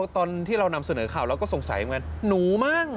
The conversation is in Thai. ตอนที่เรานำเสนอข่าวเราก็สงสัยว่าหนูมั้ง